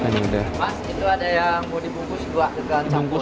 mas itu ada yang mau dibungkus dua gagal campur